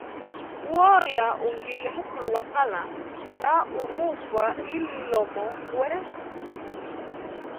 Uoya ungile mukulu gwa kala, nda umufa ilomo ngwee.